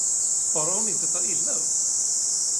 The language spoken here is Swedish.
Bara hon inte tar illa upp.